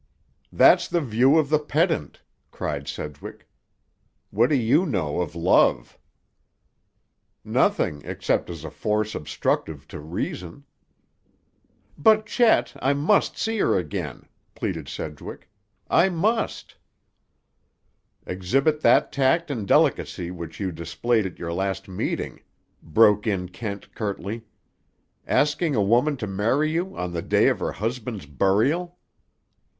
"That's the view of the pedant," cried Sedgwick. "What do you know of love?" "Nothing, except as a force obstructive to reason." "But, Chet, I must see her again," pleaded Sedgwick; "I must—" "Exhibit that tact and delicacy which you displayed at your last meeting," broke in Kent curtly. "Asking a woman to marry you, on the day of her husband's burial!"